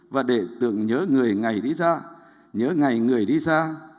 và đệ tượng nhớ người ngày đi xa nhớ ngày người đi xa